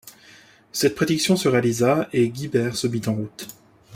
Cette prédiction se réalisa et Guibert se mit en route.